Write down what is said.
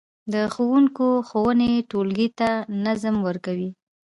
د ښوونکي ښوونې ټولګي ته نظم ورکوي.